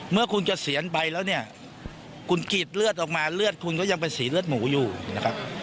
เมื่อคุณเกษียณไปแล้วเนี่ยคุณกรีดเลือดออกมาเลือดคุณก็ยังเป็นสีเลือดหมูอยู่นะครับ